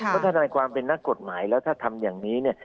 เพราะทนายความเป็นนักกฎหมายแล้วถ้าทำอย่างนี้เนี่ย